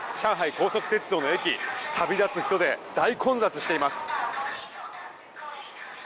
高速鉄道の駅旅立つ人で大混雑しています。